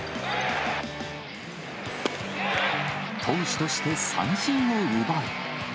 投手として三振を奪い。